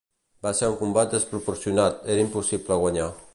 Va ser un combat desproporcionat, era impossible guanyar.